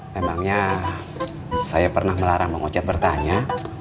memangnya saya pernah melarang bang ocet bertanya